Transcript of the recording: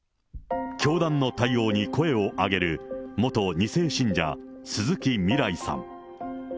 教団の対応に声を上げる元２世信者、鈴木未来さん。